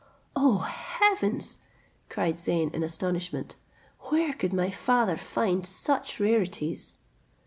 "O Heavens!" cried Zeyn, in astonishment, "where could my father find such rarities?"